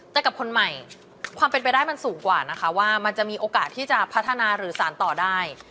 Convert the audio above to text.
แต่กับคนใหม่ความเป็นไปได้มันสูงกว่านะคะว่ามันจะมีโอกาสที่จะพัฒนาหรือสารต่อได้